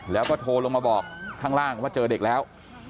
แล้วก็โทรลงมาบอกข้างล่างว่าเจอเด็กแล้ว